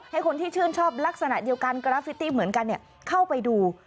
ให้คนที่ชื่นชอบลักษณะเดียวกันกราฟิตี้เหมือนกันเข้าไปดู